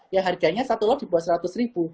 yang harganya satu lot di bawah rp seratus